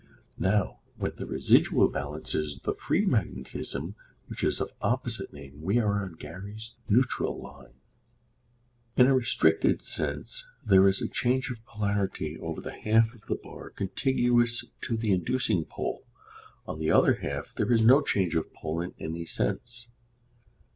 Now when the residual balances the free magnetism which is of opposite name, we are on Gary's neutral line. In a restricted sense there is a change of polarity over the half of the bar contiguous to the inducing pole; on the other half there is no change of pole in any sense.